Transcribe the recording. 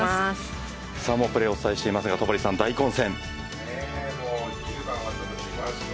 プレーをお伝えしますが戸張さん、大混戦。